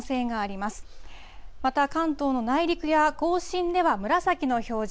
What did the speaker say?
また関東の内陸や甲信では紫の表示。